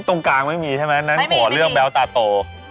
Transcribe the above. ตรงกลางไม่มีใช่มั้ยนั่นขอเรื่องแปลวตาโต